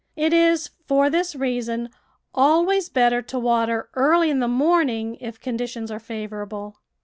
It is, for this reason, always better to water early in the morning if con ditions are favourable.